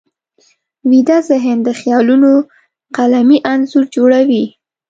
ویده ذهن د خیالونو قلمي انځور جوړوي